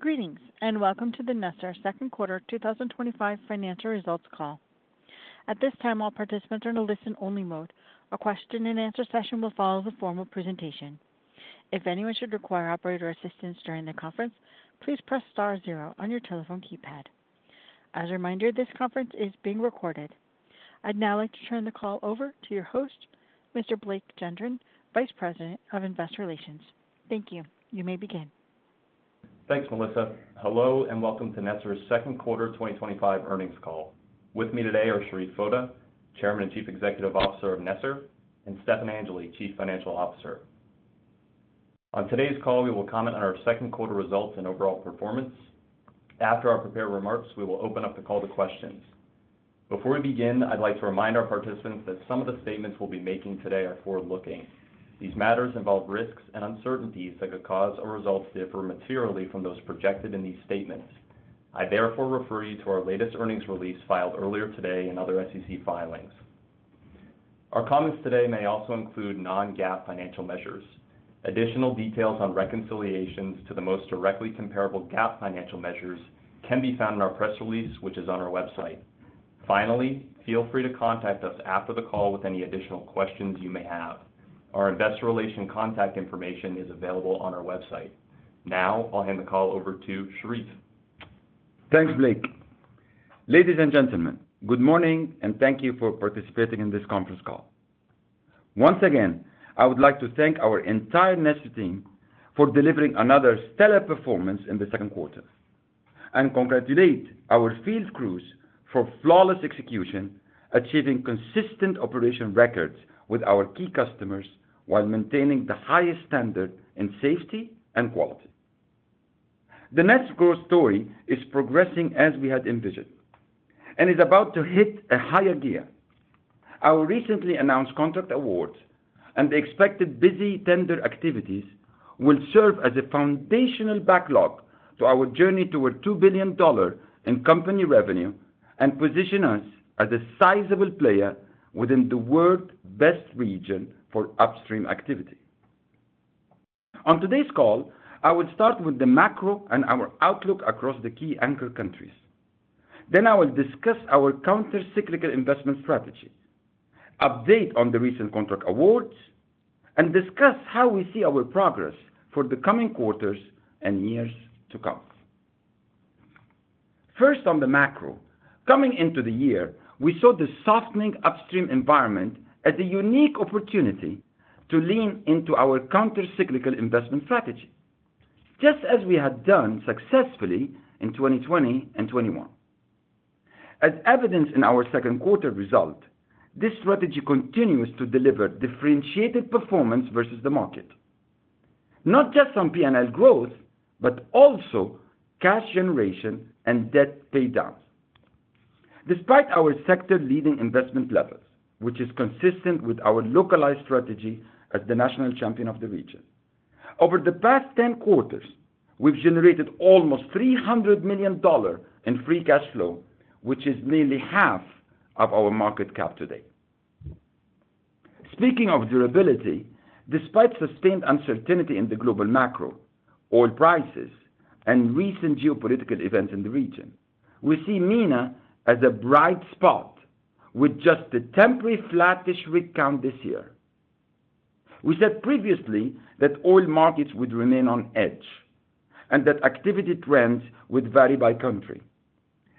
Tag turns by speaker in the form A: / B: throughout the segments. A: Greetings, and welcome to the NESR Second Quarter 2025 Financial Results Call. At this time, all participants are in a listen-only mode. A question and answer session will follow the formal presentation. If anyone should require operator assistance during the conference, please press star zero on your telephone keypad. As a reminder, this conference is being recorded. I'd now like to turn the call over to your host, Mr. Blake Gendron, Vice President of Investor Relations. Thank you. You may begin.
B: Thanks, Melissa. Hello and welcome to NESR's second quarter 2025 earnings call. With me today are Sherif Foda, Chairman and Chief Executive Officer of NESR, and Stefan Angeli, Chief Financial Officer. On today's call, we will comment on our second quarter results and overall performance. After our prepared remarks, we will open up the call to questions. Before we begin, I'd like to remind our participants that some of the statements we'll be making today are forward-looking. These matters involve risks and uncertainties that could cause our results to differ materially from those projected in these statements. I therefore refer you to our latest earnings release filed earlier today and other SEC filings. Our comments today may also include non-GAAP financial measures. Additional details on reconciliations to the most directly comparable GAAP financial measures can be found in our press release, which is on our website. Finally, feel free to contact us after the call with any additional questions you may have. Our investor relation contact information is available on our website. Now, I'll hand the call over to Sherif.
C: Thanks, Blake. Ladies and gentlemen, good morning and thank you for participating in this conference call. Once again, I would like to thank our entire NESR team for delivering another stellar performance in the second quarter and congratulate our field crews for flawless execution, achieving consistent operation records with our key customers while maintaining the highest standard in safety and quality. The NESR growth story is progressing as we had envisioned and is about to hit a higher gear. Our recently announced contract awards and the expected busy tender activities will serve as a foundational backlog to our journey toward $2 billion in company revenue and position us as a sizable player within the world's best region for upstream activity. On today's call, I will start with the macro and our outlook across the key anchor countries. I will discuss our countercyclical investment strategy, update on the recent contract awards, and discuss how we see our progress for the coming quarters and years to come. First, on the macro, coming into the year, we saw the softening upstream environment as a unique opportunity to lean into our countercyclical investment strategy, just as we had done successfully in 2020 and 2021. As evidenced in our second quarter result, this strategy continues to deliver differentiated performance versus the market, not just on P&L growth but also cash generation and debt paydowns. Despite our sector-leading investment level, which is consistent with our localized strategy as the national champion of the region, over the past 10 quarters, we've generated almost $300 million in free cash flow, which is nearly half of our market cap today. Speaking of durability, despite sustained uncertainty in the global macro, oil prices, and recent geopolitical events in the region, we see MENA as a bright spot with just a temporary flattish recount this year. We said previously that oil markets would remain on edge and that activity trends would vary by country,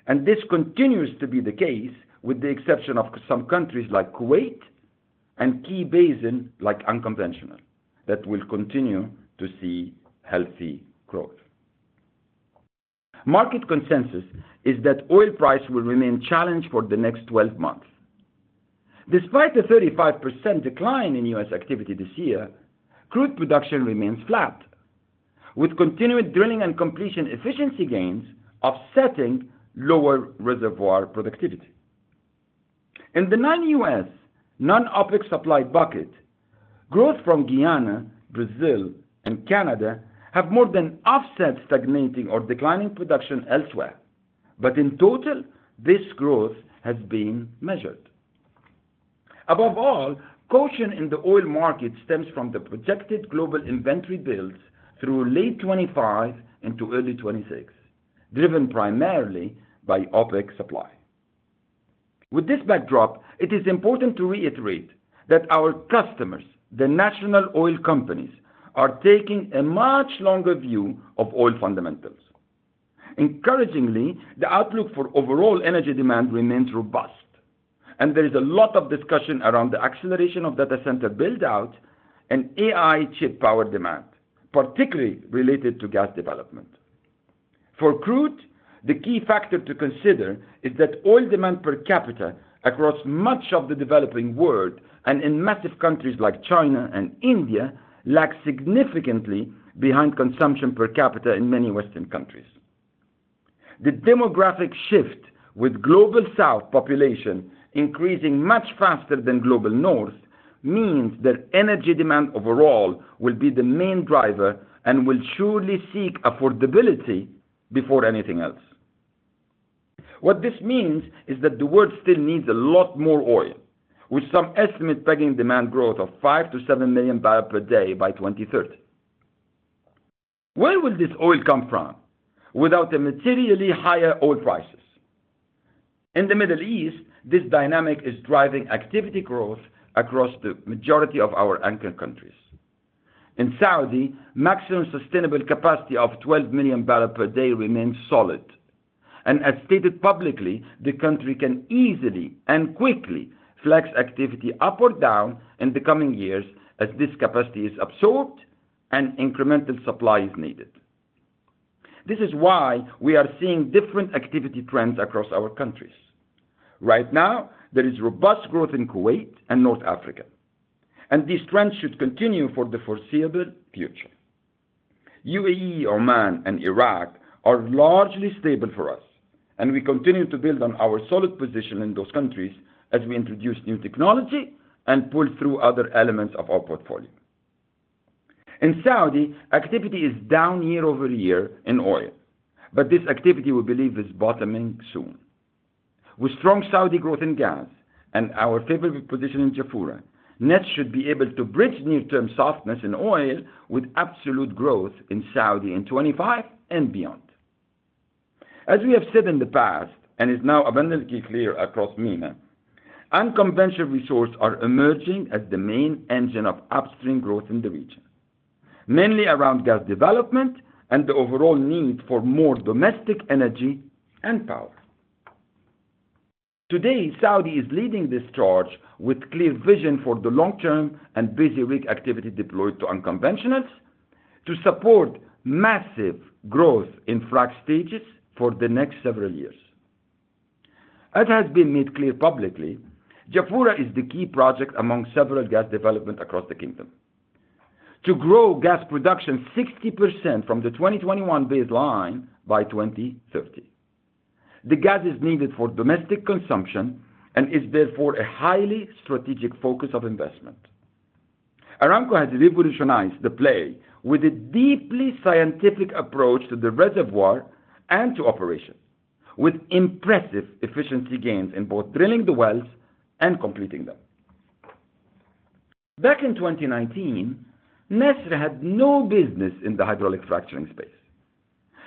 C: and this continues to be the case with the exception of some countries like Kuwait and key basins like Unconventional that will continue to see healthy growth. Market consensus is that oil prices will remain challenged for the next 12 months. Despite a 35% decline in U.S. activity this year, crude production remains flat, with continued drilling and completion efficiency gains offsetting lower reservoir productivity. In the non-U.S., non-OPEC supply bucket, growth from Guyana, Brazil, and Canada have more than offset stagnating or declining production elsewhere, but in total, this growth has been measured. Above all, caution in the oil market stems from the projected global inventory builds through late 2025 into early 2026, driven primarily by OPEC supply. With this backdrop, it is important to reiterate that our customers, the national oil companies, are taking a much longer view of oil fundamentals. Encouragingly, the outlook for overall energy demand remains robust, and there is a lot of discussion around the acceleration of data center buildout and AI chip power demand, particularly related to gas development. For crude, the key factor to consider is that oil demand per capita across much of the developing world and in massive countries like China and India lags significantly behind consumption per capita in many Western countries. The demographic shift, with global South population increasing much faster than global North, means that energy demand overall will be the main driver and will surely seek affordability before anything else. What this means is that the world still needs a lot more oil, with some estimates pegging demand growth of 5 MMbpd-7MMbpd by 2030. Where will this oil come from without materially higher oil prices? In the Middle East, this dynamic is driving activity growth across the majority of our anchor countries. In Saudi, maximum sustainable capacity of 12 MMbpd remains solid, and as stated publicly, the country can easily and quickly flex activity up or down in the coming years as this capacity is absorbed and incremental supply is needed. This is why we are seeing different activity trends across our countries. Right now, there is robust growth in Kuwait and North Africa, and these trends should continue for the foreseeable future. UAE., Oman, and Iraq are largely stable for us, and we continue to build on our solid position in those countries as we introduce new technology and pull through other elements of our portfolio. In Saudi, activity is down year-over-year in oil, but this activity we believe is bottoming soon. With strong Saudi growth in gas and our favorable position in Jafura, NESR should be able to bridge near-term softness in oil with absolute growth in Saudi in 2025 and beyond. As we have said in the past and is now abundantly clear across MENA, unconventional resources are emerging as the main engine of upstream growth in the region, mainly around gas development and the overall need for more domestic energy and power. Today, Saudi is leading this charge with clear vision for the long-term and busy week activity deployed to unconventionals to support massive growth in frac stages for the next several years. As has been made clear publicly, Jafura is the key project among several gas developments across the Kingdom to grow gas production 60% from the 2021 baseline by 2030. The gas is needed for domestic consumption and is therefore a highly strategic focus of investment. Aramco has revolutionized the play with a deeply scientific approach to the reservoir and to operation, with impressive efficiency gains in both drilling the wells and completing them. Back in 2019, NESR had no business in the hydraulic fracturing space.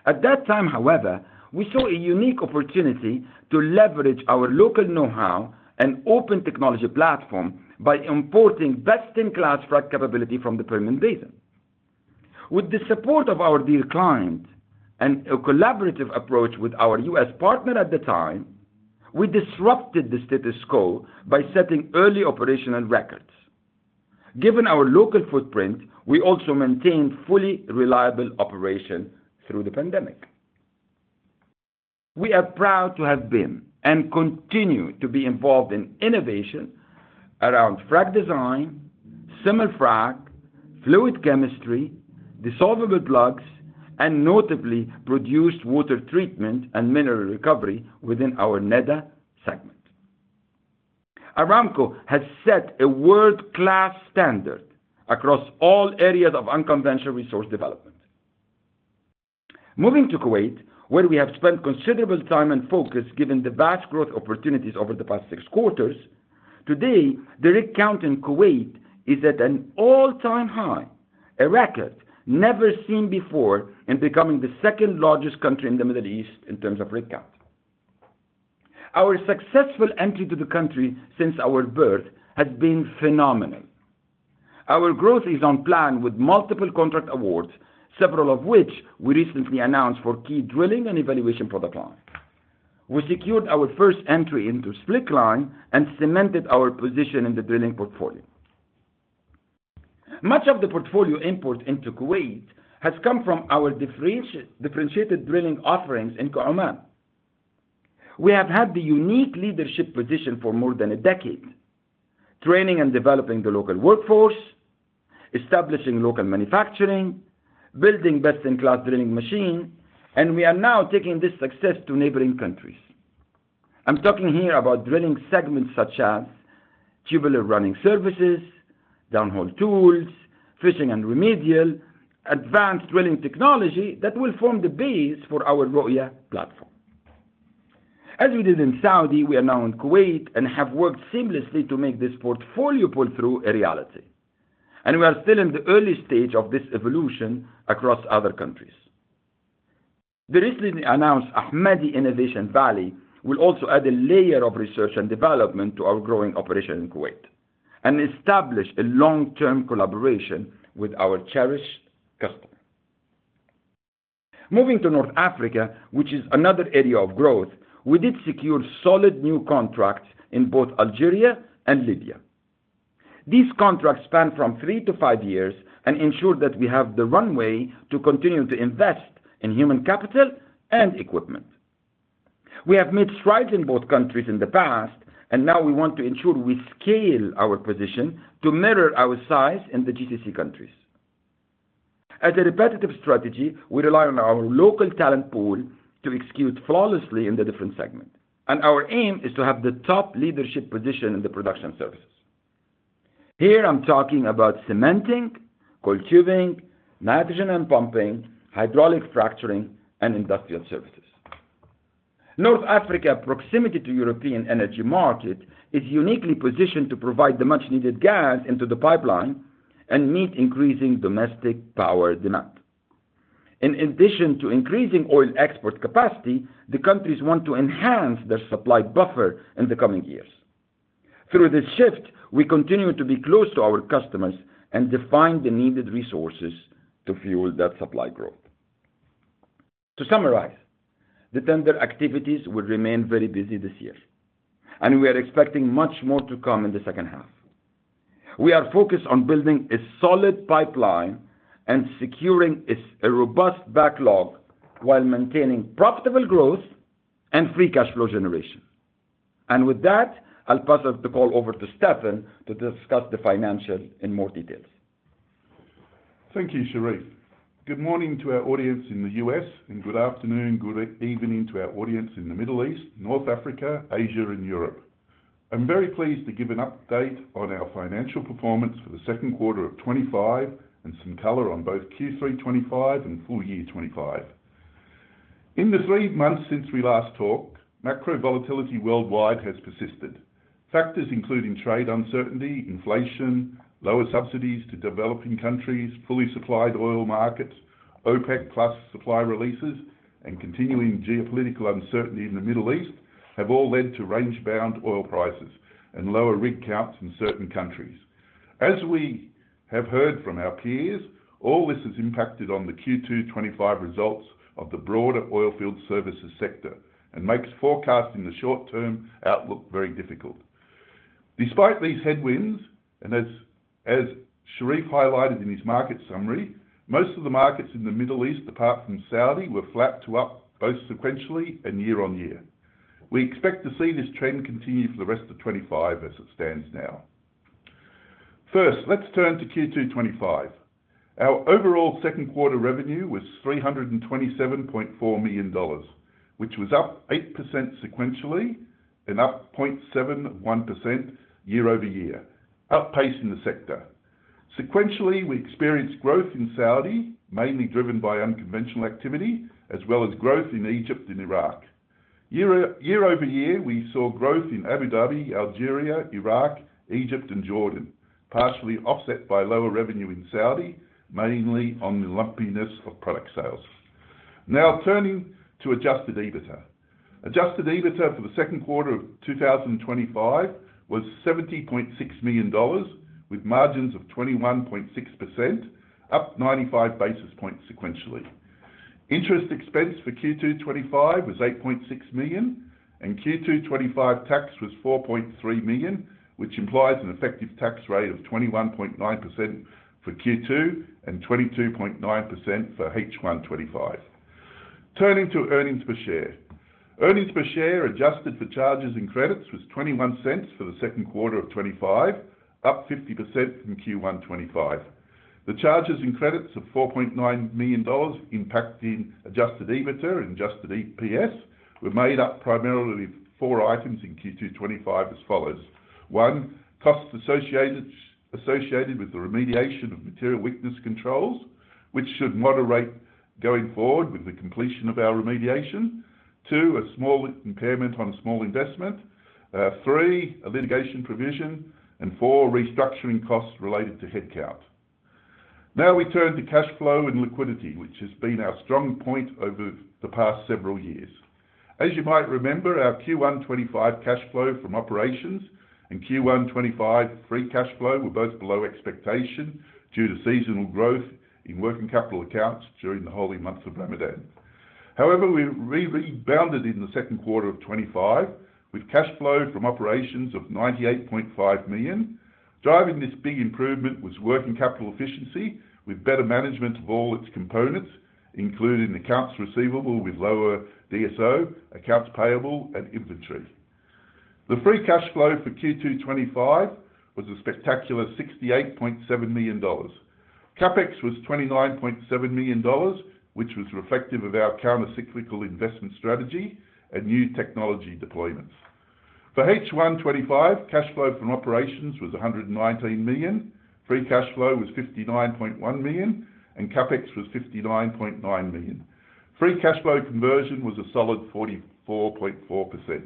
C: At that time, however, we saw a unique opportunity to leverage our local know-how and open technology platform by importing best-in-class frac capability from the Permian Basin. With the support of our dear client and a collaborative approach with our U.S. partner at the time, we disrupted the status quo by setting early operational records. Given our local footprint, we also maintained fully reliable operation through the pandemic. We are proud to have been and continue to be involved in innovation around frac design, simmer frac, fluid chemistry, dissolvable plugs, and notably produced water treatment and mineral recovery within our NEDA segment. Aramco has set a world-class standard across all areas of unconventional resource development. Moving to Kuwait, where we have spent considerable time and focus given the batch growth opportunities over the past six quarters, today the recount in Kuwait is at an all-time high, a record never seen before in becoming the second largest country in the Middle East in terms of recount. Our successful entry to the country since our birth had been phenomenal. Our growth is on plan with multiple contract awards, several of which we recently announced for key drilling and evaluation for the client. We secured our first entry into Split Line and cemented our position in the drilling portfolio. Much of the portfolio import into Kuwait has come from our differentiated drilling offerings in Kahraman. We have had the unique leadership position for more than a decade, training and developing the local workforce, establishing local manufacturing, building best-in-class drilling machines, and we are now taking this success to neighboring countries. I'm talking here about drilling segments such as tubular running services, downhole tools, fishing and remedial, advanced drilling technology that will form the base for our Roya platform. As we did in Saudi, we are now in Kuwait and have worked seamlessly to make this portfolio pull-through a reality, and we are still in the early stage of this evolution across other countries. The recently announced Ahmadi Innovation Valley will also add a layer of research and development to our growing operation in Kuwait and establish a long-term collaboration with our cherished customer. Moving to North Africa, which is another area of growth, we did secure solid new contracts in both Algeria and Libya. These contracts span from 3-5 years and ensure that we have the runway to continue to invest in human capital and equipment. We have made strides in both countries in the past, and now we want to ensure we scale our position to mirror our size in the GCC countries. As a repetitive strategy, we rely on our local talent pool to execute flawlessly in the different segments, and our aim is to have the top leadership position in the production services. Here, I'm talking about cementing, coiled tubing, nitrogen and pumping, hydraulic fracturing, and industrial services. North Africa, proximity to European energy markets, is uniquely positioned to provide the much-needed gas into the pipeline and meet increasing domestic power demand. In addition to increasing oil export capacity, the countries want to enhance their supply buffer in the coming years. Through this shift, we continue to be close to our customers and define the needed resources to fuel that supply growth. To summarize, the tender activities will remain very busy this year, and we are expecting much more to come in the second half. We are focused on building a solid pipeline and securing a robust backlog while maintaining profitable growth and free cash flow generation. With that, I'll pass the call over to Stefan to discuss the financials in more details.
D: Thank you, Sherif. Good morning to our audience in the U.S., and good afternoon, good evening to our audience in the Middle East, North Africa, Asia, and Europe. I'm very pleased to give an update on our financial performance for the second quarter of 2025 and some color on both Q3 2025 and full year 2025. In the three months since we last talked, macro volatility worldwide has persisted. Factors including trade uncertainty, inflation, lower subsidies to developing countries, fully supplied oil markets, OPEC+ supply releases, and continuing geopolitical uncertainty in the Middle East have all led to range-bound oil prices and lower recounts in certain countries. As we have heard from our peers, all this has impacted on the Q2 2025 results of the broader oilfield services sector and makes forecasting the short-term outlook very difficult. Despite these headwinds, and as Sherif highlighted in his market summary, most of the markets in the Middle East, apart from Saudi, were flat to up both sequentially and year on year. We expect to see this trend continue for the rest of 2025 as it stands now. First, let's turn to Q2 2025. Our overall second quarter revenue was $327.4 million, which was up 8% sequentially and up 0.71% year-over-year, outpacing the sector. Sequentially, we experienced growth in Saudi, mainly driven by unconventional activity, as well as growth in Egypt and Iraq. Year-over-year, we saw growth in Abu Dhabi, Algeria, Iraq, Egypt, and Jordan, partially offset by lower revenue in Saudi, mainly on the lumpiness of product sales. Now, turning to adjusted EBITDA, adjusted EBITDA for the second quarter of 2025 was $70.6 million, with margins of 21.6%, up 95 basis points sequentially. Interest expense for Q2 2025 was $8.6 million, and Q2 2025 tax was $4.3 million, which implies an effective tax rate of 21.9% for Q2 and 22.9% for H1 2025. Turning to earnings per share, earnings per share adjusted for charges and credits was $0.21 for the second quarter of 2025, up 50% from Q1 2025. The charges and credits of $4.9 million impacting adjusted EBITDA and adjusted EPS were made up primarily of four items in Q2 2025 as follows: one, costs associated with the remediation of material weakness controls, which should moderate going forward with the completion of our remediation; two, a small impairment on a small investment; three, a litigation provision; and four, restructuring costs related to headcount. Now, we turn to cash flow and liquidity, which has been our strong point over the past several years. As you might remember, our Q1 2025 cash flow from operations and Q1 2025 free cash flow were both below expectation due to seasonal growth in working capital accounts during the holy month of Ramadan. However, we rebounded in the second quarter of 2025 with cash flow from operations of $98.5 million. Driving this big improvement was working capital efficiency with better management of all its components, including accounts receivable with lower DSO, accounts payable, and inventory. The free cash flow for Q2 2025 was a spectacular $68.7 million. CapEx was $29.7 million, which was reflective of our countercyclical investment strategy and new technology deployments. For H1 2025, cash flow from operations was $119 million, free cash flow was $59.1 million, and CapEx was $59.9 million. Free cash flow conversion was a solid 44.4%.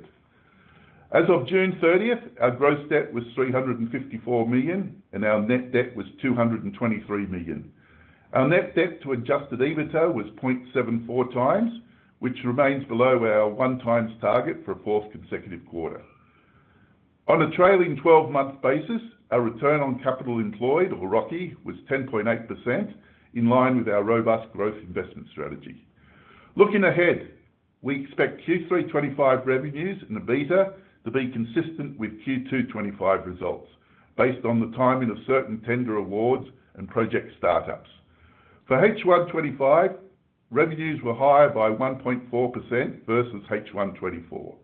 D: As of June 30, our gross debt was $354 million and our net debt was $223 million. Our net debt to adjusted EBITDA was 0.74 times, which remains below our one-time target for a fourth consecutive quarter. On a trailing 12-month basis, our return on capital employed, or ROCE, was 10.8%, in line with our robust growth investment strategy. Looking ahead, we expect Q3 2025 revenues and EBITDA to be consistent with Q2 2025 results based on the timing of certain tender awards and project startups. For H1 2025, revenues were higher by 1.4% versus H1 2024.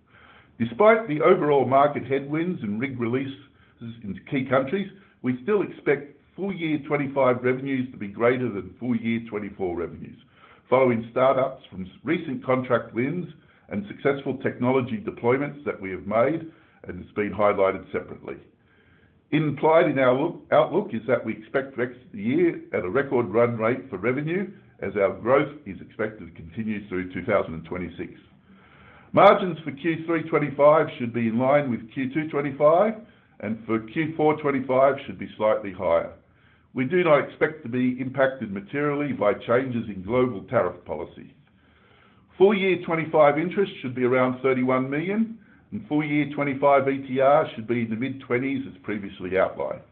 D: Despite the overall market headwinds and rig releases in key countries, we still expect full year 2025 revenues to be greater than full year 2024 revenues following startups from recent contract wins and successful technology deployments that we have made, and it's been highlighted separately. Implied in our outlook is that we expect to exit the year at a record run rate for revenue as our growth is expected to continue through 2026. Margins for Q3 2025 should be in line with Q2 2025, and for Q4 2025 should be slightly higher. We do not expect to be impacted materially by changes in global tariff policy. Full year 2025 interest should be around $31 million, and full year 2025 ETR should be in the mid-20s as previously outlined.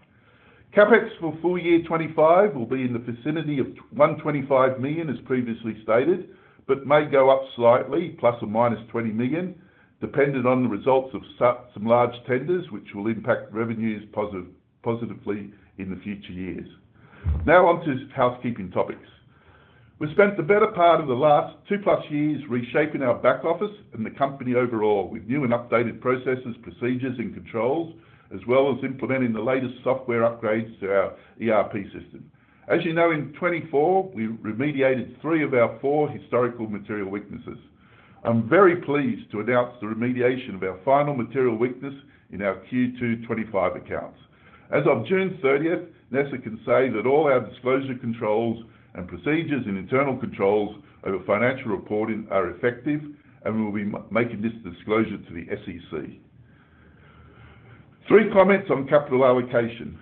D: CapEx for full year 2025 will be in the vicinity of $125 million as previously stated, but may go up slightly, ±$20 million, dependent on the results of some large tenders, which will impact revenues positively in the future years. Now on to housekeeping topics. We spent the better part of the last 2+ years reshaping our back office and the company overall with new and updated processes, procedures, and controls, as well as implementing the latest software upgrades to our ERP system. As you know, in 2024, we remediated three of our four historical material weaknesses. I'm very pleased to announce the remediation of our final material weakness in our Q2 2025 accounts. As of June 30, NESR can say that all our disclosure controls and procedures and internal controls over financial reporting are effective, and we will be making this disclosure to the SEC. Three comments on capital allocation.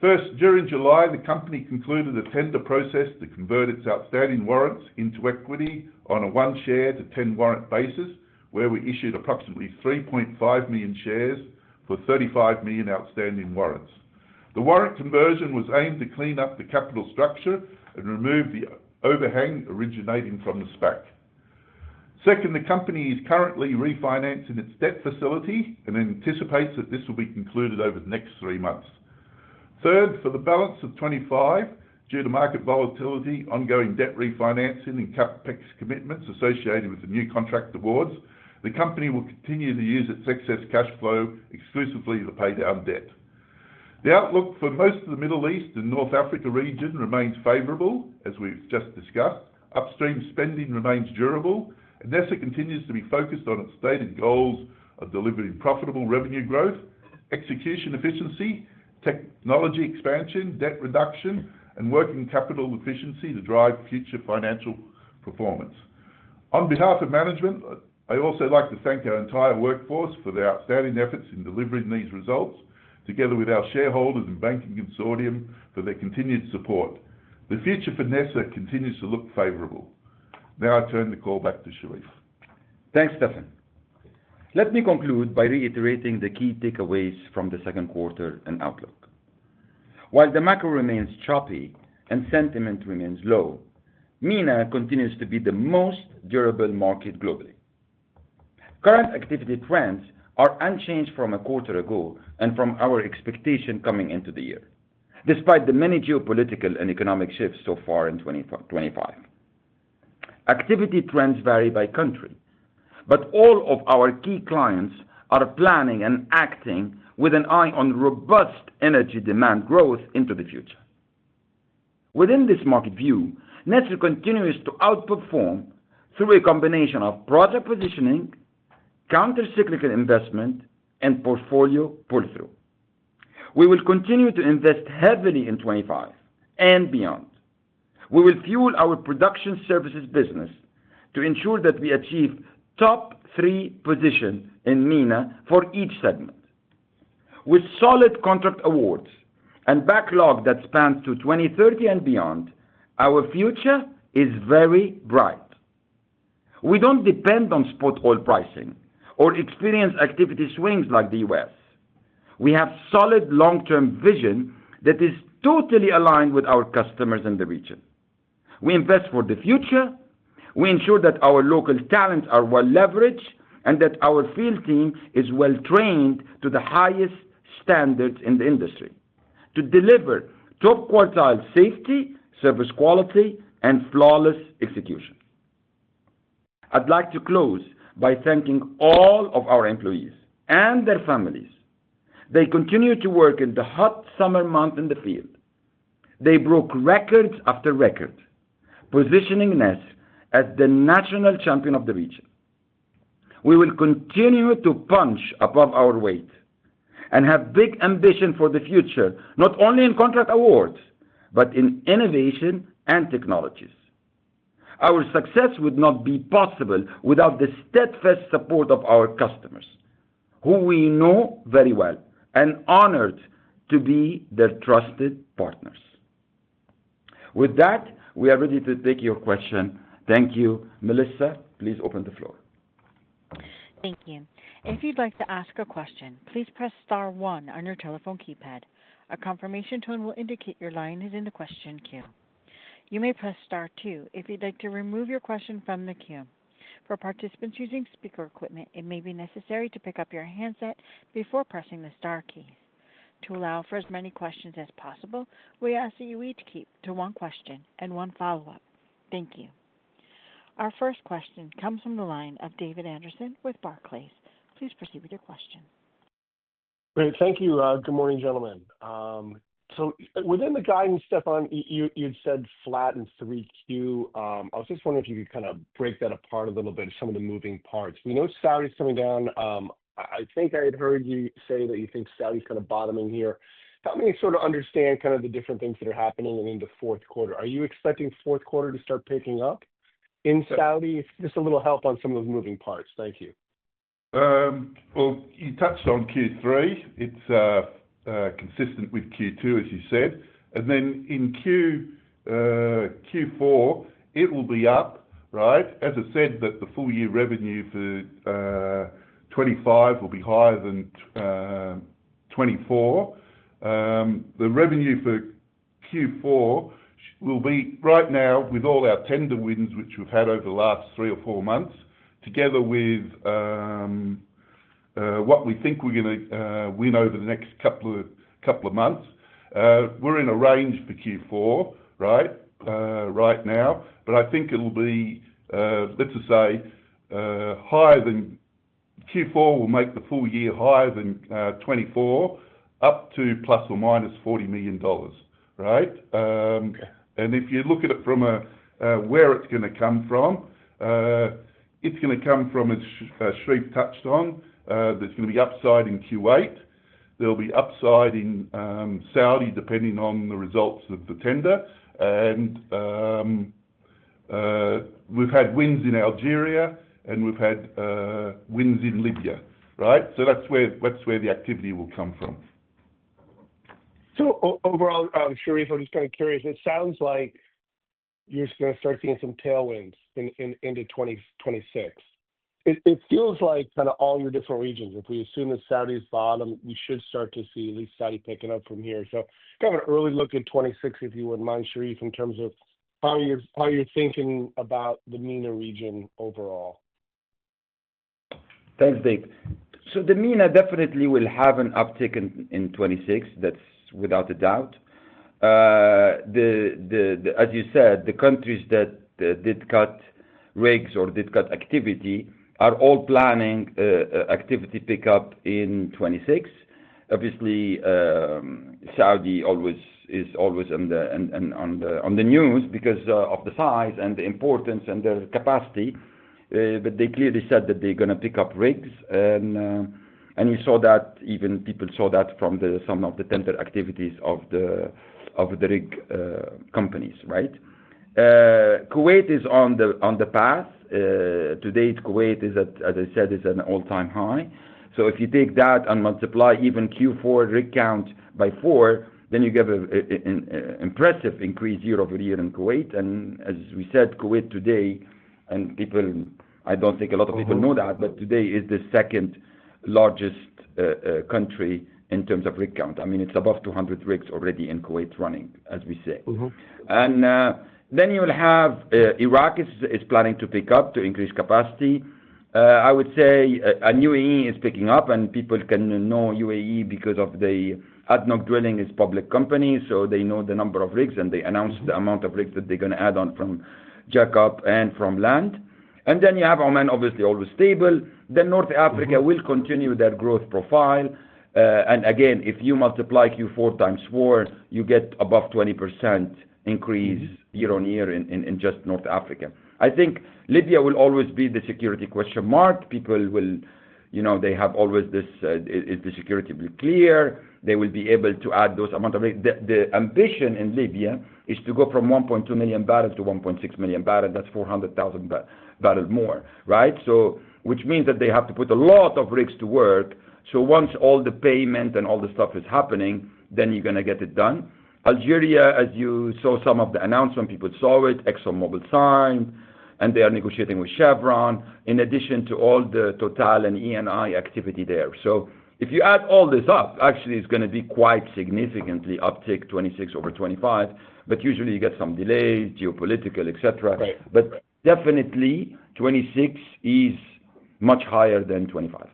D: First, during July, the company concluded a tender process to convert its outstanding warrants into equity on a one-share to 10 warrant basis, where we issued approximately 3.5 million shares for 35 million outstanding warrants. The warrant conversion was aimed to clean up the capital structure and remove the overhang originating from the SPAC. Second, the company is currently refinancing its debt facility and anticipates that this will be concluded over the next three months. Third, for the balance of 2025, due to market volatility, ongoing debt refinancing, and CapEx commitments associated with the new contract awards, the company will continue to use its excess cash flow exclusively to pay down debt. The outlook for most of the Middle East and North Africa region remains favorable, as we've just discussed. Upstream spending remains durable, and NESR continues to be focused on its stated goals of delivering profitable revenue growth, execution efficiency, technology expansion, debt reduction, and working capital efficiency to drive future financial performan On behalf of management, I also like to thank our entire workforce for their outstanding efforts in delivering these results, together with our shareholders and banking consortium for their continued support. The future for NESR continues to look favorable. Now, I turn the call back to Sherif.
C: Thanks, Stefan. Let me conclude by reiterating the key takeaways from the second quarter and outlook. While the macro remains choppy and sentiment remains low, MENA continues to be the most durable market globally. Current activity trends are unchanged from a quarter ago and from our expectation coming into the year, despite the many geopolitical and economic shifts so far in 2025. Activity trends vary by country, but all of our key clients are planning and acting with an eye on robust energy demand growth into the future. Within this market view, NESR continues to outperform through a combination of project positioning, countercyclical investment, and portfolio pull-through. We will continue to invest heavily in 2025 and beyond. We will fuel our production services business to ensure that we achieve top three positions in MENA for each segment. With solid contract awards and backlog that spans to 2030 and beyond, our future is very bright. We don't depend on spot oil pricing or experience activity swings like the U.S. We have a solid long-term vision that is totally aligned with our customers in the region. We invest for the future. We ensure that our local talents are well leveraged and that our field team is well trained to the highest standards in the industry to deliver top quartile safety, service quality, and flawless execution. I'd like to close by thanking all of our employees and their families. They continue to work in the hot summer months in the field. They broke records after records, positioning NESR as the national champion of the region. We will continue to punch above our weight and have big ambitions for the future, not only in contract awards but in innovation and technologies. Our success would not be possible without the steadfast support of our customers, who we know very well and are honored to be their trusted partners. With that, we are ready to take your question. Thank you. Melissa, please open the floor.
A: Thank you. If you'd like to ask a question, please press star one on your telephone keypad. A confirmation tone will indicate your line is in the question queue. You may press star two if you'd like to remove your question from the queue. For participants using speaker equipment, it may be necessary to pick up your handset before pressing the star keys. To allow for as many questions as possible, we ask that you each keep to one question and one follow-up. Thank you. Our first question comes from the line of David Anderson with Barclays. Please proceed with your question.
E: Great. Thank you. Good morning, gentlemen. Within the guidance, Stefan, you had said flat in 3Q. I was just wondering if you could kind of break that apart a little bit, some of the moving parts. We know Saudi is coming down. I think I had heard you say that you think Saudi is kind of bottoming here. Help me sort of understand kind of the different things that are happening in the fourth quarter. Are you expecting the fourth quarter to start picking up in Saudi? Just a little help on some of the moving parts. Thank you.
D: You touched on Q3. It's consistent with Q2, as you said. In Q4, it will be up, right? As I said, the full year revenue for 2025 will be higher than 2024. The revenue for Q4 will be, right now with all our tender wins, which we've had over the last three or four months, together with what we think we're going to win over the next couple of months, we're in a range for Q4 right now. I think it'll be, let's just say, higher than Q4 will make the full year higher than 2024 up to ±$40 million, right? If you look at it from where it's going to come from, it's going to come from, as Sherif touched on, there's going to be upside in Kuwait. There'll be upside in Saudi Arabia depending on the results of the tender. We've had wins in Algeria, and we've had wins in Libya, right? That's where the activity will come from.
E: Overall, Sherif, I'm just kind of curious. It sounds like you're going to start seeing some tailwinds into 2026. It feels like kind of all your different regions, if we assume that Saudi is bottom, we should start to see at least Saudi picking up from here. Kind of an early look in 2026, if you wouldn't mind, Sherif, in terms of how you're thinking about the MENA region overall.
C: Thanks, Dave. The MENA definitely will have an uptick in 2026. That's without a doubt. As you said, the countries that did cut rigs or did cut activity are all planning activity pickup in 2026. Obviously, Saudi is always on the news because of the size and the importance and their capacity. They clearly said that they're going to pick up rigs. You saw that, even people saw that from some of the tender activities of the rig companies, right? Kuwait is on the path. To date, Kuwait is at, as I said, an all-time high. If you take that and multiply even Q4 rig count by four, then you have an impressive increase year over year in Kuwait. As we said, Kuwait today, and people, I don't think a lot of people know that, but today is the second largest country in terms of rig count. It's above 200 rigs already in Kuwait running, as we say. You'll have Iraq is planning to pick up to increase capacity. I would say UAE is picking up, and people can know UAE because of the ADNOC Drilling is a public company, so they know the number of rigs and they announce the amount of rigs that they're going to add on from jack-up and from land. You have Oman, obviously always stable. North Africa will continue their growth profile. If you multiply Q4 times four, you get above 20% increase year on year in just North Africa. I think Libya will always be the security question mark. People will, you know, they have always this, is the security clear? They will be able to add those amounts of rigs. The ambition in Libya is to go from 1.2 MMb to 1.6 MMb. That's 400,000 bbl more, right? Which means that they have to put a lot of rigs to work. Once all the payment and all the stuff is happening, then you're going to get it done. Algeria, as you saw some of the announcements, people saw it. Exxon Mobil signed, and they are negotiating with Chevron in addition to all the Total and ENI activity there. If you add all this up, actually, it's going to be quite significantly uptick 2026 over 2025. Usually, you get some delays, geopolitical, et cetera. Definitely, 2026 is much higher than 2025.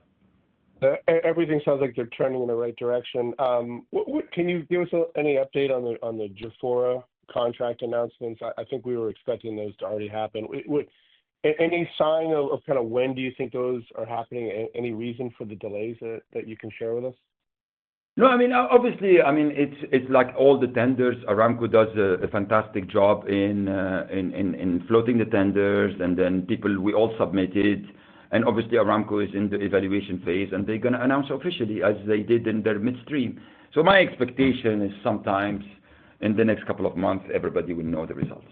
E: Everything sounds like they're trending in the right direction. Can you give us any update on the Jafura contract announcements? I think we were expecting those to already happen. Any sign of kind of when do you think those are happening? Any reason for the delays that you can share with us?
C: Obviously, it's like all the tenders. Aramco does a fantastic job in floating the tenders, and then people, we all submit it. Obviously, Aramco is in the evaluation phase, and they're going to announce officially as they did in their midstream. My expectation is sometimes in the next couple of months, everybody will know the results.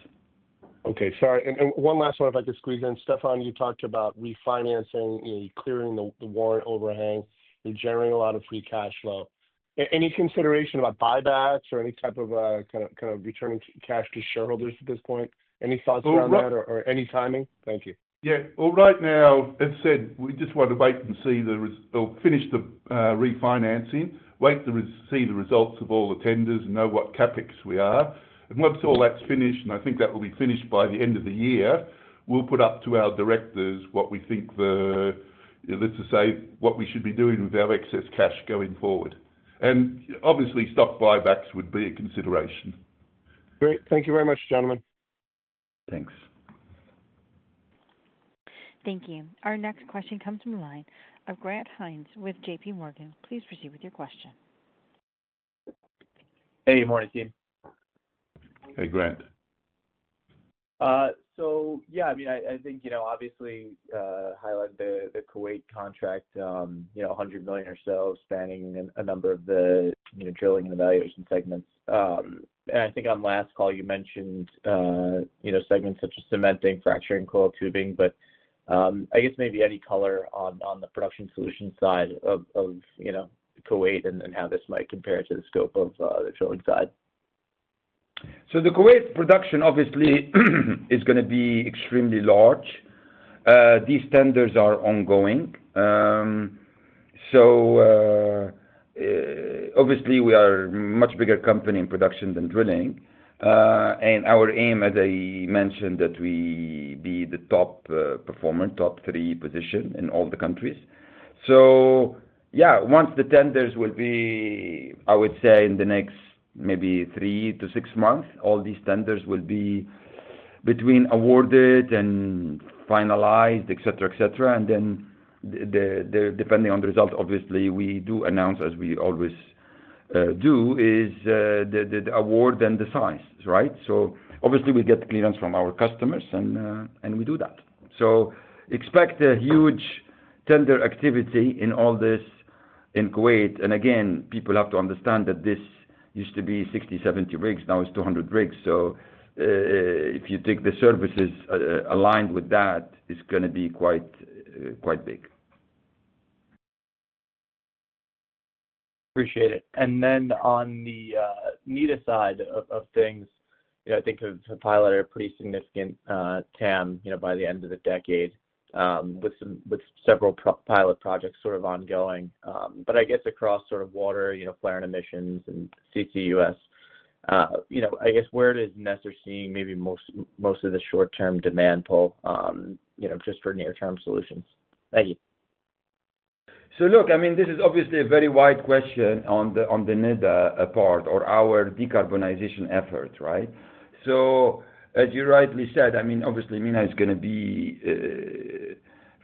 E: Sorry. One last one if I could squeeze in. Stefan, you talked about refinancing, you know, clearing the warrant overhang. You're generating a lot of free cash flow. Any consideration about buybacks or any type of kind of returning cash to shareholders at this point? Any thoughts around that or any timing? Thank you.
D: Right now, as I said, we just want to wait and see or finish the refinancing, wait to see the results of all the tenders and know what CapEx we are. Once all that's finished, and I think that will be finished by the end of the year, we'll put up to our directors what we think the, let's just say, what we should be doing with our excess cash going forward. Obviously, stock buybacks would be a consideration.
E: Great. Thank you very much, gentlemen.
C: Thanks.
A: Thank you. Our next question comes from the line of Grant Hynes with JPMorgan. Please proceed with your question.
F: Hey, good morning, team.
E: Hey, Grant.
F: I think, you know, obviously, highlight the Kuwait contract, $100 million or so, spanning a number of the drilling and evaluation segments. I think on last call, you mentioned segments such as cementing, fracturing, and coil tubing. I guess maybe any color on the production solution side of Kuwait and how this might compare to the scope of the drilling side.
C: The Kuwait production, obviously, is going to be extremely large. These tenders are ongoing. We are a much bigger company in production than drilling, and our aim, as I mentioned, is that we be the top performer, top three position in all the countries. Once the tenders will be, I would say, in the next maybe three to six months, all these tenders will be between awarded and finalized, et cetera, et cetera. Depending on the result, obviously, we do announce, as we always do, the award and the size, right? We get clearance from our customers, and we do that. Expect a huge tender activity in all this in Kuwait. People have to understand that this used to be 60 rigs, 70 rigs. Now it's 200 rigs. If you take the services aligned with that, it's going to be quite big.
F: Appreciate it. On the NEDA side of things, I think the pilots are pretty significant, TAM, by the end of the decade with several pilot projects sort of ongoing. I guess across sort of water, chlorine emissions, and CCUS, where does NESR see maybe most of the short-term demand pull, just for near-term solutions?
C: Thank you. Look, I mean, this is obviously a very wide question on the NEDA part or our decarbonization efforts, right? As you rightly said, I mean, obviously, MENA is going to be,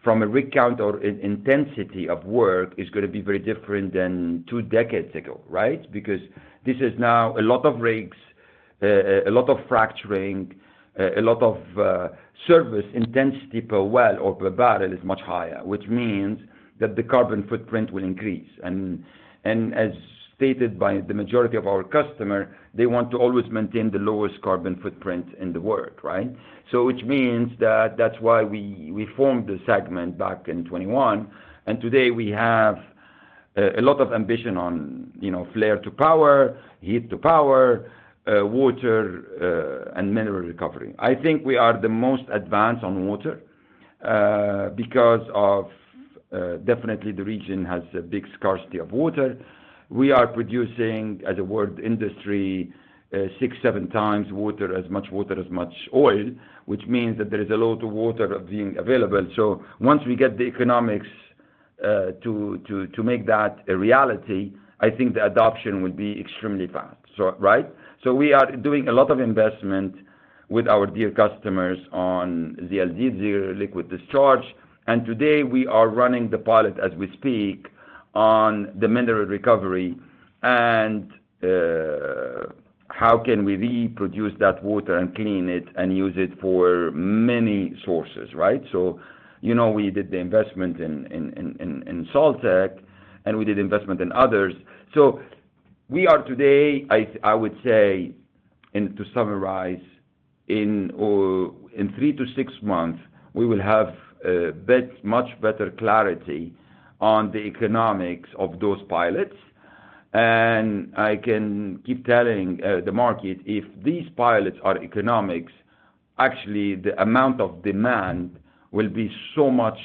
C: from a rig count or intensity of work, very different than two decades ago, right? This is now a lot of rigs, a lot of fracturing, a lot of service intensity per well or per barrel is much higher, which means that the carbon footprint will increase. As stated by the majority of our customers, they want to always maintain the lowest carbon footprint in the work, right? That is why we formed the segment back in 2021. Today, we have a lot of ambition on flare to power, heat to power, water, and mineral recovery. I think we are the most advanced on water because definitely the region has a big scarcity of water. We are producing, as a world industry, six, seven times as much water as oil, which means that there is a lot of water being available. Once we get the economics to make that a reality, I think the adoption will be extremely fast, right? We are doing a lot of investment with our dear customers on ZLD, Zero Liquid Discharge. Today, we are running the pilot as we speak on the mineral recovery and how we can reproduce that water and clean it and use it for many sources, right? We did the investment in Salt Tech, and we did investment in others. Today, I would say, to summarize, in three to six months, we will have a much better clarity on the economics of those pilots. I can keep telling the market, if these pilots are economics, actually, the amount of demand will be so much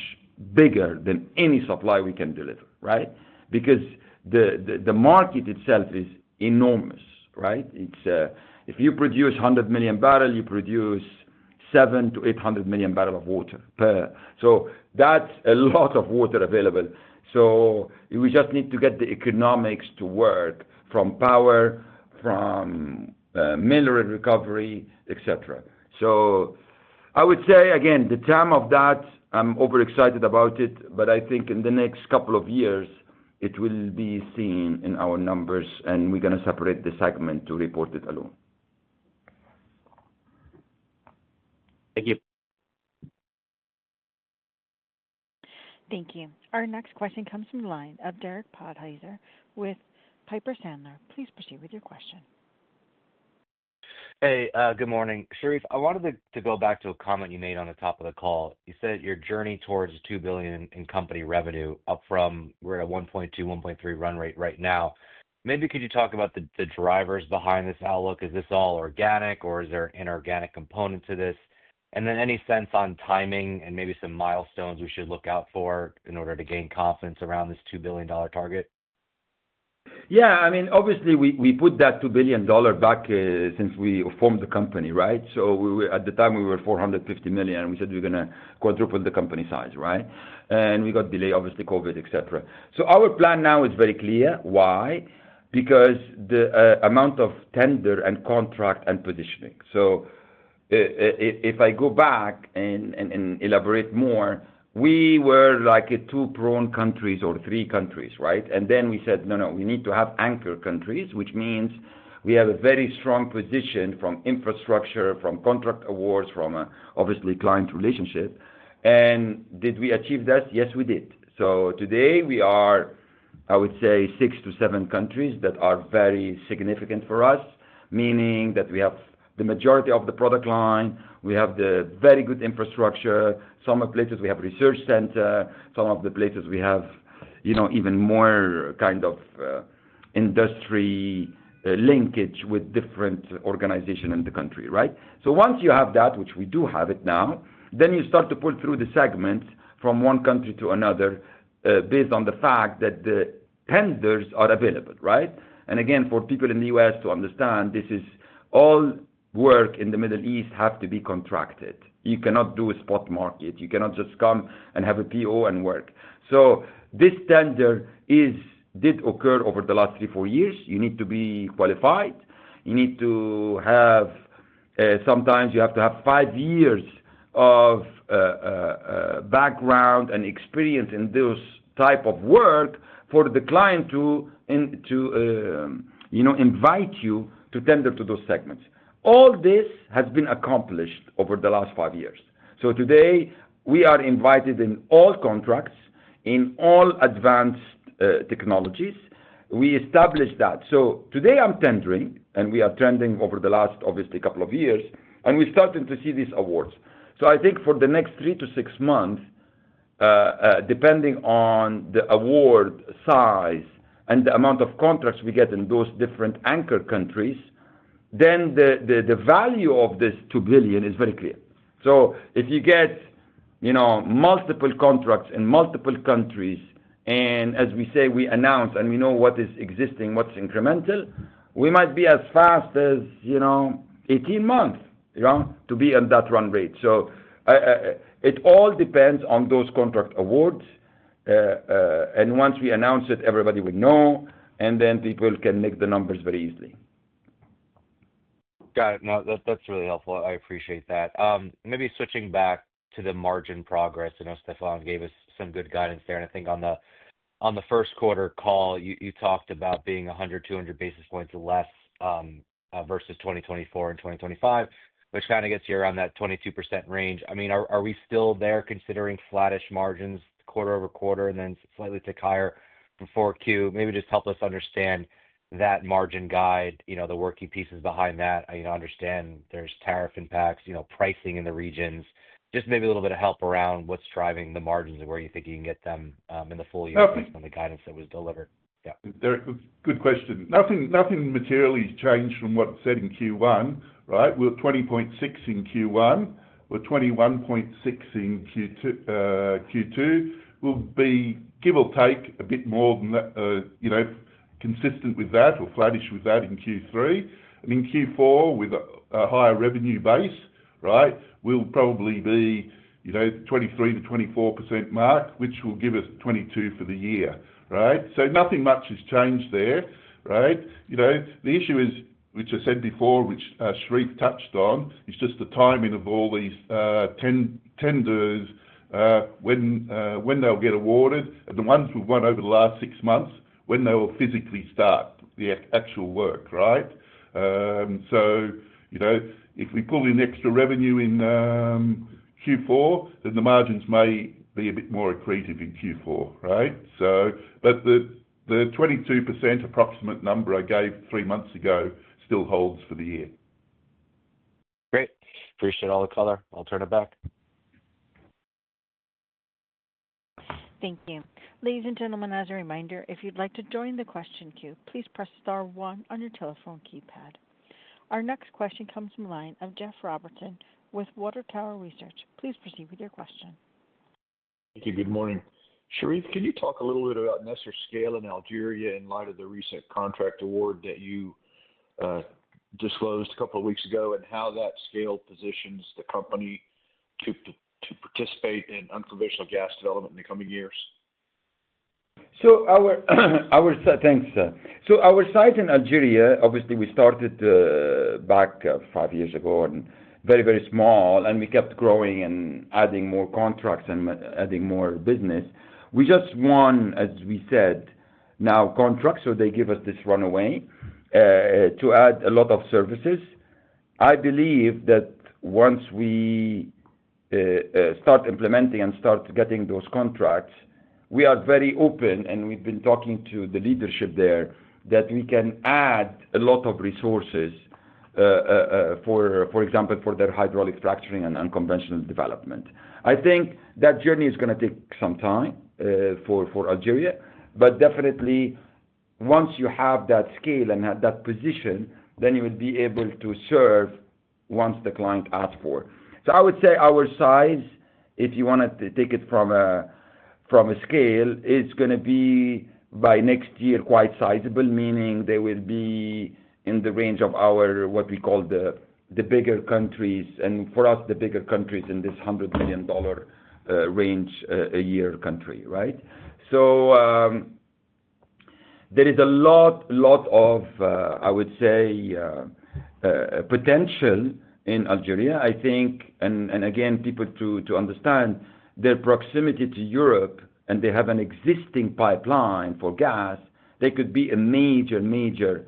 C: bigger than any supply we can deliver, right? The market itself is enormous, right? If you produce 100 million barrels, you produce 700 to 800 million barrels of water per. That is a lot of water available. We just need to get the economics to work from power, from mineral recovery, et cetera. I would say, again, the TAM of that, I'm overexcited about it, but I think in the next couple of years, it will be seen in our numbers, and we're going to separate the segment to report it alone.
F: Thank you.
A: Thank you. Our next question comes from the line of Derek Podhaizer with Piper Sandler. Please proceed with your question.
G: Hey, good morning. Sherif, I wanted to go back to a comment you made on the top of the call. You said your journey towards $2 billion in company revenue up from we're at a $1.2 billion, $1.3 billion run rate right now. Maybe could you talk about the drivers behind this outlook? Is this all organic, or is there an inorganic component to this? Any sense on timing and maybe some milestones we should look out for in order to gain confidence around this $2 billion target?
C: Yeah. I mean, obviously, we put that $2 billion back since we formed the company, right? At the time, we were $450 million, and we said we're going to quadruple the company size, right? We got delayed, obviously, COVID, et cetera. Our plan now is very clear. Why? Because the amount of tender and contract and positioning. If I go back and elaborate more, we were like two-prone countries or three countries, right? We said, no, no, we need to have anchor countries, which means we have a very strong position from infrastructure, from contract awards, from obviously client relationships. Did we achieve this? Yes, we did. Today, we are, I would say, six to seven countries that are very significant for us, meaning that we have the majority of the product line. We have the very good infrastructure. Some places we have research centers. Some of the places we have, you know, even more kind of industry linkage with different organizations in the country, right? Once you have that, which we do have it now, you start to pull through the segments from one country to another based on the fact that the tenders are available, right? For people in the U.S. to understand, this is all work in the Middle East has to be contracted. You cannot do a spot market. You cannot just come and have a PO and work. This tender did occur over the last three, four years. You need to be qualified. Sometimes you have to have five years of background and experience in this type of work for the client to invite you to tender to those segments. All this has been accomplished over the last five years. Today, we are invited in all contracts, in all advanced technologies. We established that. Today, I'm tendering, and we are trending over the last, obviously, a couple of years, and we're starting to see these awards. I think for the next 3-6 months, depending on the award size and the amount of contracts we get in those different anchor countries, the value of this $2 billion is very clear. If you get, you know, multiple contracts in multiple countries, and as we say, we announce and we know what is existing, what's incremental, we might be as fast as, you know, 18 months, you know, to be on that run rate. It all depends on those contract awards. Once we announce it, everybody will know, and then people can make the numbers very easily.
G: Got it. No, that's really helpful. I appreciate that. Maybe switching back to the margin progress, I know Stefan gave us some good guidance there. I think on the first quarter call, you talked about being 100 basis points, 200 basis points less versus 2024 and 2025, which kind of gets you around that 22% range. Are we still there considering flattish margins quarter over quarter and then slightly tick higher for Q4? Maybe just help us understand that margin guide, the working pieces behind that. I understand there's tariff impacts, pricing in the regions. Maybe a little bit of help around what's driving the margins and where you think you can get them in the full year based on the guidance that was delivered. Yeah.
D: Good question. Nothing materially changed from what I said in Q1, right? We're 20.6% in Q1. We're 21.6% in Q2. We'll be, give or take, a bit more than that, you know, consistent with that or flattish with that in Q3. In Q4, with a higher revenue base, right, we'll probably be, you know, 23%-24% mark, which will give us 22% for the year, right? Nothing much has changed there, right? The issue is, which I said before, which Sherif touched on, is just the timing of all these tenders, when they'll get awarded, and the ones we've won over the last six months, when they will physically start the actual work, right? If we pull in extra revenue in Q4, then the margins may be a bit more accretive in Q4, right? The 22% approximate number I gave three months ago still holds for the year.
G: Great. Appreciate all the color. I'll turn it back.
A: Thank you. Ladies and gentlemen, as a reminder, if you'd like to join the question queue, please press star one on your telephone keypad. Our next question comes from the line of Jeff Robertson with Water Tower Research. Please proceed with your question.
H: Thank you. Good morning. Sherif, can you talk a little bit about NESR's scale in Algeria in light of the recent contract award that you disclosed a couple of weeks ago, and how that scale positions the company to participate in unconventional gas development in the coming years?
C: Our site in Algeria, obviously, we started back five years ago and very, very small, and we kept growing and adding more contracts and adding more business. We just won, as we said, now contracts, so they give us this runway to add a lot of services. I believe that once we start implementing and start getting those contracts, we are very open, and we've been talking to the leadership there that we can add a lot of resources, for example, for their hydraulic fracturing and unconventional development. I think that journey is going to take some time for Algeria. Definitely, once you have that scale and that position, then you will be able to serve once the client asks for it. I would say our size, if you want to take it from a scale, is going to be by next year quite sizable, meaning they will be in the range of what we call the bigger countries. For us, the bigger countries in this $100 billion range a year country, right? There is a lot, a lot of, I would say, potential in Algeria. I think, and again, people to understand, their proximity to Europe, and they have an existing pipeline for gas, they could be a major, major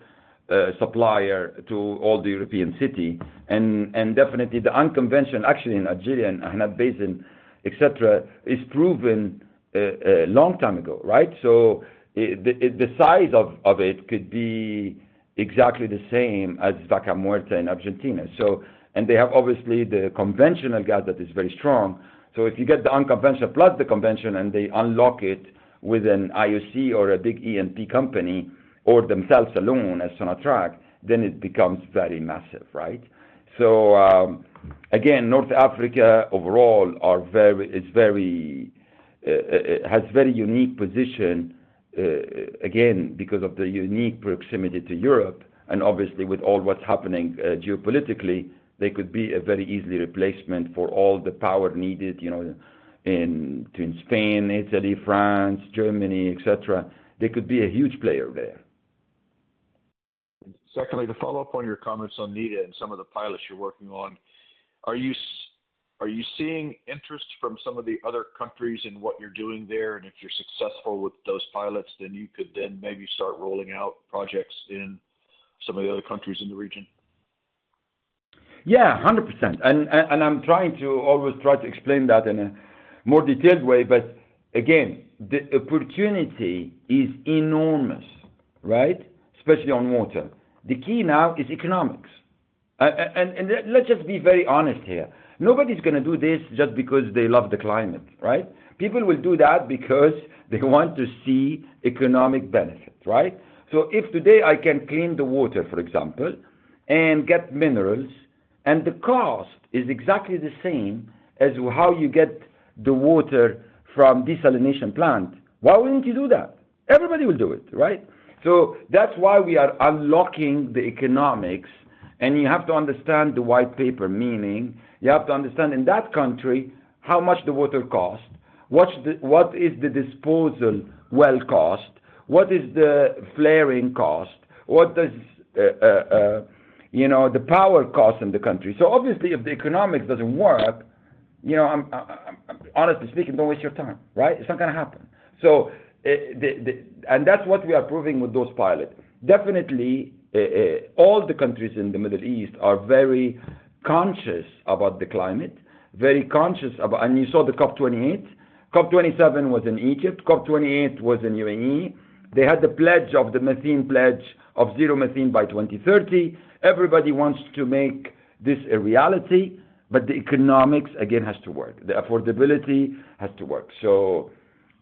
C: supplier to all the European cities. Definitely, the unconventional, actually, in Algeria and the Ahmad Bazin, et cetera, is proven a long time ago, right? The size of it could be exactly the same as Vaca Muerta in Argentina. They have obviously the conventional gas that is very strong. If you get the unconventional plus the conventional and they unlock it with an IOC or a big E&P company or themselves alone as Sonatrach, then it becomes very massive, right? North Africa overall has a very unique position, again, because of the unique proximity to Europe. Obviously, with all what's happening geopolitically, they could be a very easy replacement for all the power needed, you know, in Spain, Italy, France, Germany, et cetera. They could be a huge player there.
H: Secondly, to follow up on your comments on NEDA and some of the pilots you're working on, are you seeing interest from some of the other countries in what you're doing there? If you're successful with those pilots, you could then maybe start rolling out projects in some of the other countries in the region?
C: Yeah, 100%. I'm trying to always try to explain that in a more detailed way. Again, the opportunity is enormous, right? Especially on water. The key now is economics. Let's just be very honest here. Nobody's going to do this just because they love the climate, right? People will do that because they want to see economic benefits, right? If today I can clean the water, for example, and get minerals, and the cost is exactly the same as how you get the water from a desalination plant, why wouldn't you do that? Everybody will do it, right? That's why we are unlocking the economics. You have to understand the white paper, meaning you have to understand in that country how much the water costs, what is the disposal well cost, what is the flaring cost, what does the power cost in the country. Obviously, if the economics doesn't work, honestly speaking, don't waste your time, right? It's not going to happen. That's what we are proving with those pilots. Definitely, all the countries in the Middle East are very conscious about the climate, very conscious about, and you saw the COP28. COP27 was in Egypt. COP28 was in UAE. They had the pledge of the methane pledge of zero methane by 2030. Everybody wants to make this a reality, but the economics, again, have to work. The affordability has to work.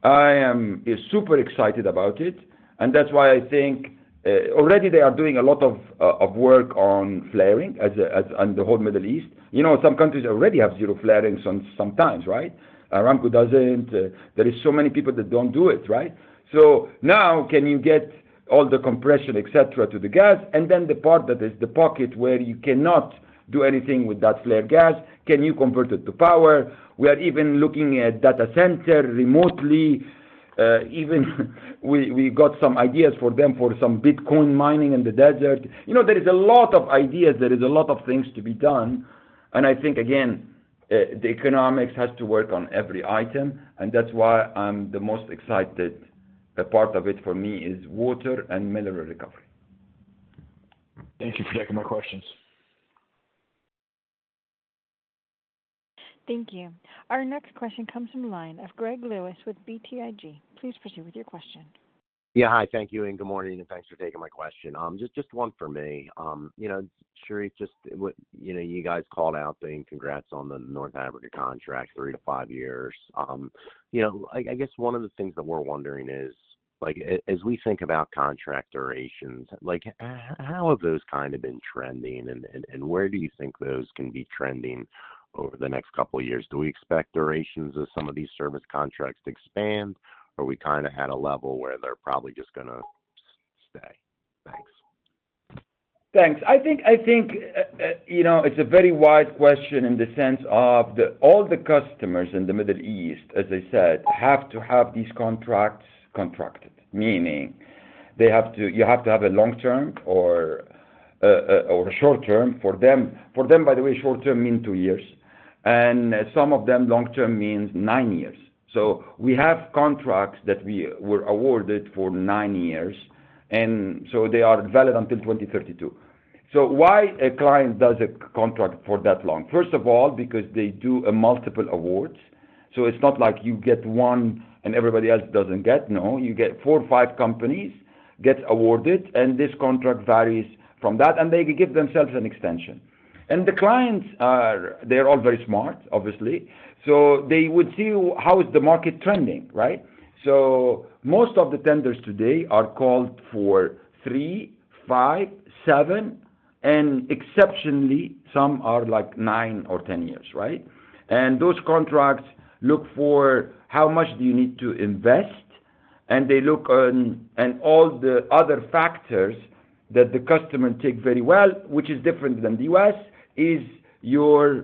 C: I am super excited about it. That's why I think already they are doing a lot of work on flaring in the whole Middle East. Some countries already have zero flaring sometimes, right? Aramco doesn't. There are so many people that don't do it, right? Now, can you get all the compression, et cetera, to the gas? The part that is the pocket where you cannot do anything with that flared gas, can you convert it to power? We are even looking at data center remotely. Even we got some ideas for them for some Bitcoin mining in the desert. There are a lot of ideas. There are a lot of things to be done. I think, again, the economics have to work on every item. That's why the most excited part of it for me is water and mineral recovery.
H: Thank you for taking my questions.
A: Thank you. Our next question comes from the line of Greg Lewis with BTIG. Please proceed with your question.
I: Yeah, hi. Thank you. Good morning, and thanks for taking my question. Just one for me. Sherif, you guys called out saying congrats on the North Africa contract, three to five years. I guess one of the things that we're wondering is, as we think about contract durations, how have those kind of been trending? Where do you think those can be trending over the next couple of years? Do we expect durations of some of these service contracts to expand? Are we at a level where they're probably just going to stay? Thanks.
C: Thanks. I think, you know, it's a very wise question in the sense of all the customers in the Middle East, as I said, have to have these contracts contracted, meaning they have to, you have to have a long-term or a short-term for them. For them, by the way, short-term means two years, and some of them, long-term means nine years. We have contracts that were awarded for nine years, and they are valid until 2032. Why a client does a contract for that long? First of all, because they do multiple awards. It's not like you get one and everybody else doesn't get. No, you get four or five companies get awarded, and this contract varies from that. They give themselves an extension. The clients are, they're all very smart, obviously. They would see how is the market trending, right? Most of the tenders today are called for three, five, seven, and exceptionally, some are like nine or ten years, right? Those contracts look for how much do you need to invest, and they look on all the other factors that the customer takes very well, which is different than the U.S., is your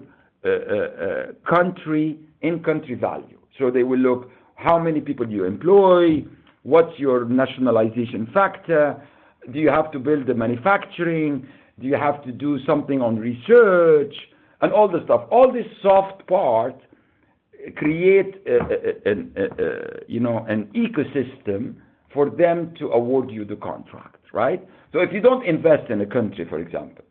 C: country in country value. They will look how many people do you employ? What's your nationalization factor? Do you have to build the manufacturing? Do you have to do something on research? All this stuff, all this soft part creates, you know, an ecosystem for them to award you the contract, right? If you don't invest in a country, for example,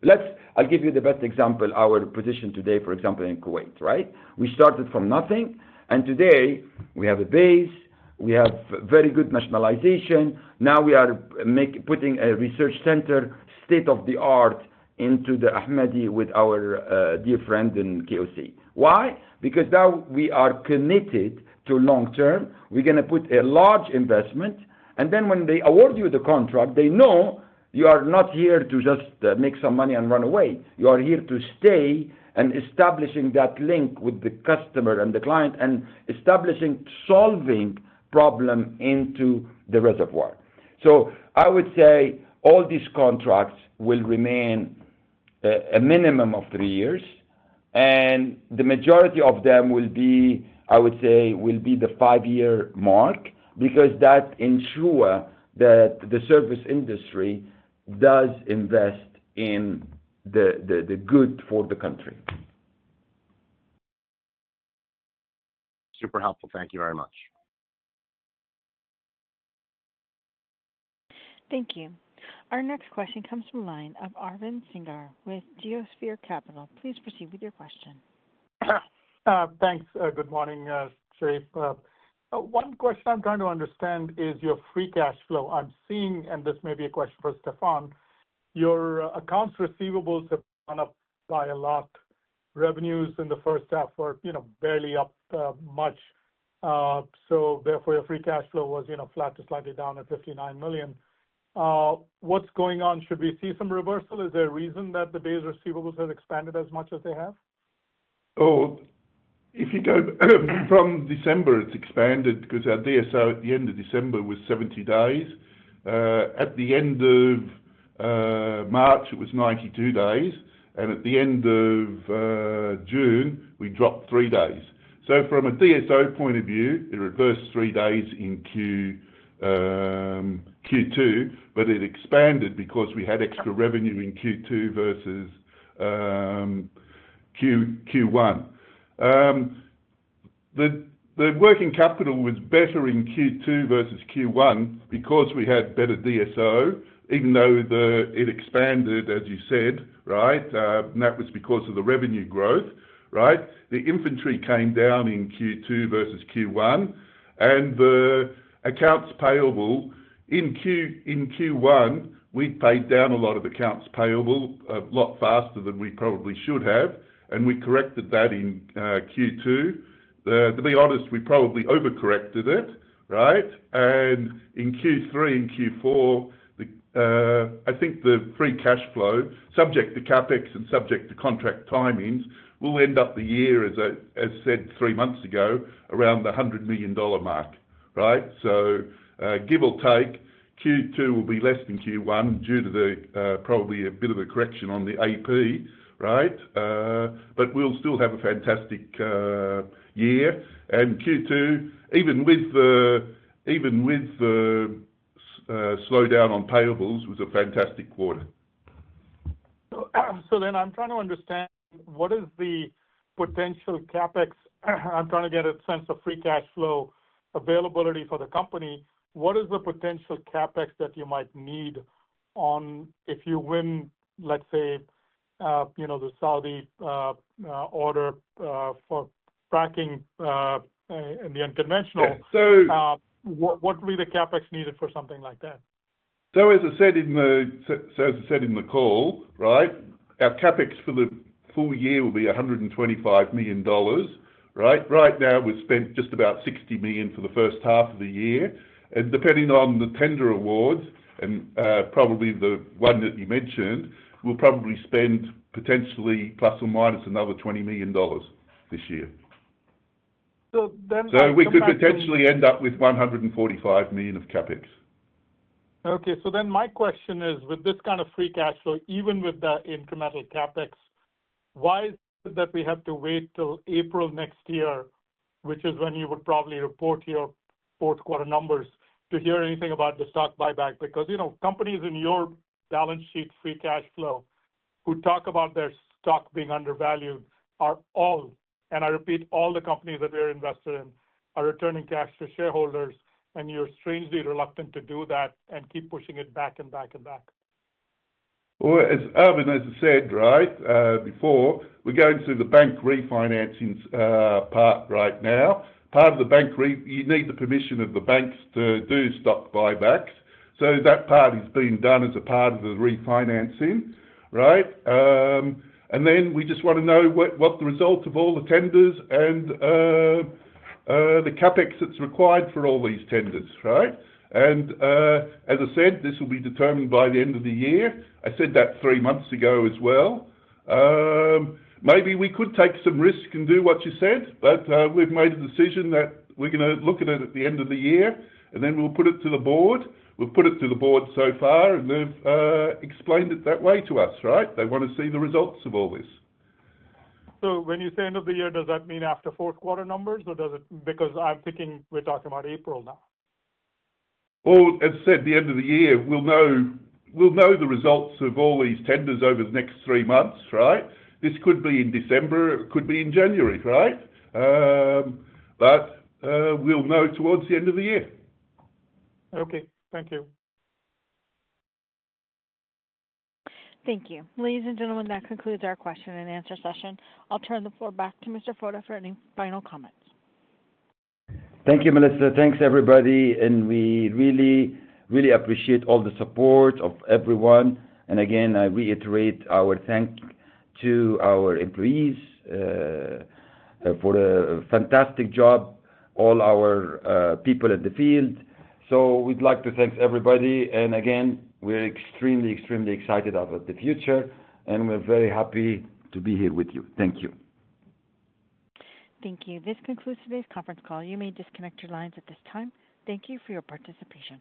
C: I'll give you the best example, our position today, for example, in Kuwait, right? We started from nothing. Today, we have a base. We have very good nationalization. Now we are putting a research center state of the art into the Ahmadi with our dear friend in KOC. Why? Because now we are committed to long-term. We're going to put a large investment. When they award you the contract, they know you are not here to just make some money and run away. You are here to stay and establish that link with the customer and the client and establishing solving problems into the reservoir. I would say all these contracts will remain a minimum of three years. The majority of them will be, I would say, will be the five-year mark because that ensures that the service industry does invest in the good for the country.
I: Super helpful. Thank you very much.
A: Thank you. Our next question comes from the line of Arvind Sanger with Geosphere Capital. Please proceed with your question.
J: Thanks. Good morning, Sherif. One question I'm trying to understand is your free cash flow. I'm seeing, and this may be a question for Stefan, your accounts receivables have gone up by a lot. Revenues in the first half were, you know, barely up much. Therefore, your free cash flow was, you know, flat to slightly down at $59 million. What's going on? Should we see some reversal? Is there a reason that the base receivables have expanded as much as they have?
D: If you don't, from December, it's expanded because our DSO at the end of December was 70 days. At the end of March, it was 92 days. At the end of June, we dropped three days. From a DSO point of view, it reversed three days in Q2, but it expanded because we had extra revenue in Q2 versus Q1. The working capital was better in Q2 versus Q1 because we had better DSO, even though it expanded, right? That was because of the revenue growth, right? The inventory came down in Q2 versus Q1. The accounts payable in Q1, we'd paid down a lot of accounts payable a lot faster than we probably should have. We corrected that in Q2. To be honest, we probably overcorrected it, right? In Q3 and Q4, I think the free cash flow, subject to CapEx and subject to contract timings, will end up the year, as I said three months ago, around the $100 million mark, right? Give or take, Q2 will be less than Q1 due to probably a bit of a correction on the IP, right? We'll still have a fantastic year. Q2, even with the slowdown on payables, was a fantastic quarter.
J: I'm trying to understand what is the potential CapEx. I'm trying to get a sense of free cash flow availability for the company. What is the potential CapEx that you might need if you win, let's say, you know, the Saudi order for fracking in the unconventional? What would be the CapEx needed for something like that?
D: As I said in the call, our CapEx for the full year will be $125 million. Right now, we've spent just about $60 million for the first half of the year. Depending on the tender awards and probably the one that you mentioned, we'll probably spend potentially plus or minus another $20 million this year. We could potentially end up with $145 million of CapEx.
J: Okay. My question is, with this kind of free cash flow, even with that incremental CapEx, why is it that we have to wait till April next year, which is when you would probably report your fourth quarter numbers, to hear anything about the stock buyback? Companies in your balance sheet free cash flow who talk about their stock being undervalued are all, and I repeat, all the companies that we're invested in are returning cash to shareholders, and you're strangely reluctant to do that and keep pushing it back and back and back.
D: As I said before, we're going through the bank refinancing part right now. Part of the bank, you need the permission of the banks to do stock buybacks. That part is being done as a part of the refinancing, right? We just want to know what the result of all the tenders and the CapEx that's required for all these tenders is. As I said, this will be determined by the end of the year. I said that three months ago as well. Maybe we could take some risk and do what you said, but we've made a decision that we're going to look at it at the end of the year, and then we'll put it to the board. We've put it to the board so far, and they've explained it that way to us. They want to see the results of all this.
J: When you say end of the year, does that mean after fourth quarter numbers or does it, because I'm thinking we're talking about April now?
D: At the end of the year, we'll know the results of all these tenders over the next three months, right? This could be in December. It could be in January, right? We'll know towards the end of the year.
J: Okay, thank you.
A: Thank you. Ladies and gentlemen, that concludes our question and answer session. I'll turn the floor back to Mr. Foda for any final comments.
C: Thank you, Melissa. Thank you, everybody. We really, really appreciate all the support of everyone. I reiterate our thanks to our employees for a fantastic job, all our people in the field. We'd like to thank everybody. We're extremely, extremely excited about the future, and we're very happy to be here with you. Thank you.
A: Thank you. This concludes today's conference call. You may disconnect your lines at this time. Thank you for your participation.